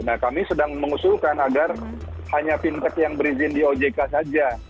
nah kami sedang mengusulkan agar hanya fintech yang berizin di ojk saja